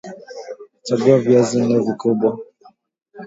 Chagua viazi nne vikubwa